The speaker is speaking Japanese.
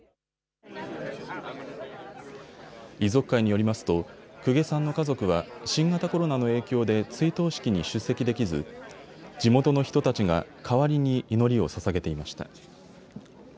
遺族会によりますと久下さんの家族は新型コロナの影響で追悼式に出席できず地元の人たちが代わりに祈りをささげていました。